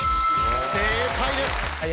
正解です。